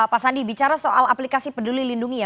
pak sandi bicara soal aplikasi peduli lindungi ya